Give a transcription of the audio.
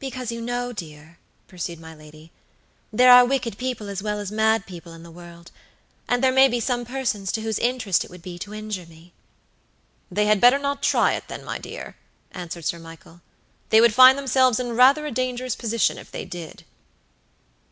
"Because you know, dear," pursued my lady, "there are wicked people as well as mad people in the world, and there may be some persons to whose interest it would be to injure me." "They had better not try it, then, my dear," answered Sir Michael; "they would find themselves in rather a dangerous position if they did."